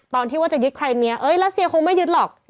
ตอนที่ว่าจะยึดใครเมียเอ้ยรัสเซียคงไม่ยึดหรอก